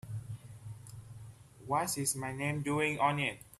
What's my name doing on it?